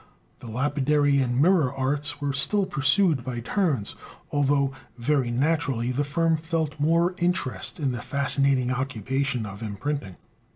The lapidary and mirror arts were still pursued by turns, although very naturally the firm felt more interest in the fascinating occupation of imprinting.